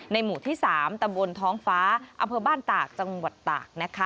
หมู่ที่๓ตำบลท้องฟ้าอำเภอบ้านตากจังหวัดตากนะคะ